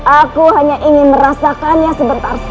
aku hanya ingin merasakannya sebentar saja